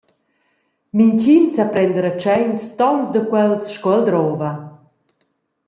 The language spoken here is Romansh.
Mintgin sa prender a tscheins tons da quels sco el drova.